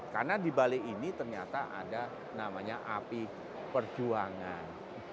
karena di bali ini ternyata ada namanya api perjuangan